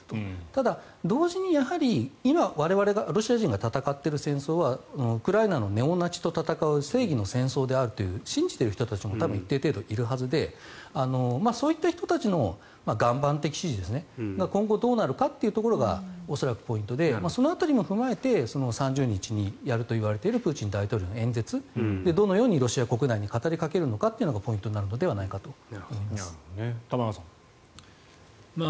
ただ、同時にやはり今ロシア人が戦っている戦争というのはウクライナのネオナチと戦う正義の戦争であると信じている人たちも一定程度いるはずでそういった人たちの岩盤的支持ですね今後、どうなるかというところが恐らくポイントでその辺りも踏まえて３０日にやるといわれているプーチン大統領の演説でどのようにロシア国内に語りかけるのかがポイントになるのではないかと思います。